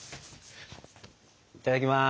いただきます！